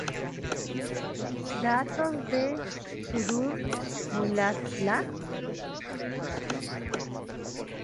Datos de Suður-Múlasýsla